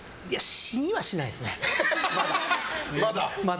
死にはしないですね、まだ。